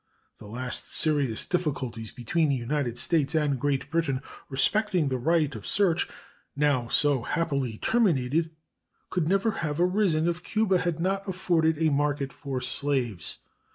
The late serious difficulties between the United States and Great Britain respecting the right of search, now so happily terminated, could never have arisen if Cuba had not afforded a market for slaves.